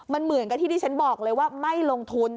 มันเหมือนกับที่ที่ฉันบอกเลยว่าไม่ลงทุน